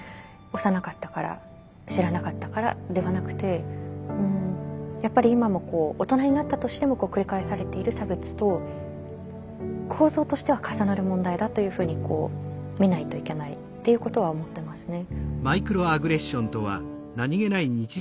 幼かったから知らなかったからではなくてやっぱり今も大人になったとしても繰り返されている差別と構造としては重なる問題だというふうに見ないといけないということは思ってますね。